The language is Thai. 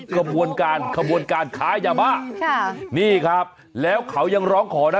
กระบวนการขยาบะนี่ครับแล้วเขายังร้องขอนะ